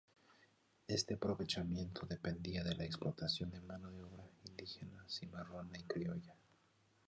Este aprovechamiento dependía de la explotación de mano de obra indígena, cimarrona y criolla.